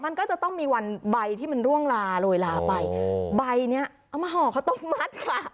มันก็จะต้องมีวันใบที่มันร่วงลาโรยลาไปใบเนี้ยเอามาห่อข้าวต้มมัดค่ะ